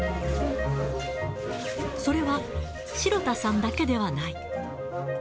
それは、城田さんだけではない。